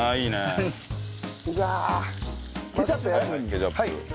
ケチャップ。